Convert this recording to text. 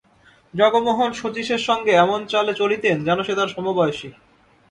জগমোহন শচীশের সঙ্গে এমন চালে চলিতেন যেন সে তাঁর সমবয়সী।